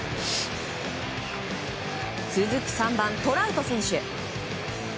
続く３番、トラウト選手。